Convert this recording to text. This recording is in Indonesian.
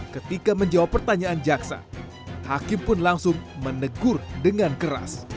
ketika menjawab pertanyaan jaksa hakim pun langsung menegur dengan keras